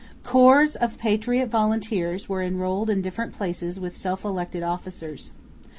Corps of patriot volunteers were enrolled in different places with self elected officers.